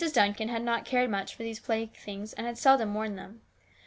Duncan had not cared much for these playthings, and had seldom worn them.